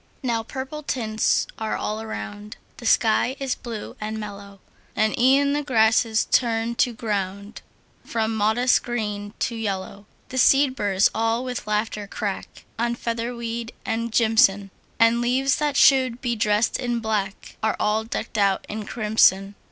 Now purple tints are all around; The sky is blue and mellow; And e'en the grasses turn the ground From modest green to yellow. The seed burrs all with laughter crack On featherweed and jimson; And leaves that should be dressed in black Are all decked out in crimson.